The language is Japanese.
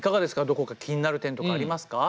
どこか気になる点とかありますか？